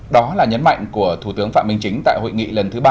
đó là nhấn mạnh của thủ tướng phạm minh chính tại hội nghị lần thứ ba